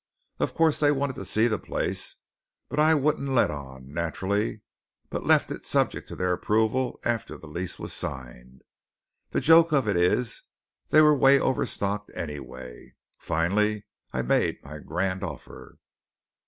Of course they wanted to see the place; but I wouldn't let on, naturally, but left it subject to their approval after the lease was signed. The joke of it is they were way overstocked anyway. Finally I made my grand offer.